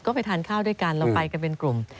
ก็ไปทานข้าวด้วยกันเราไปกันเป็นกลุ่ม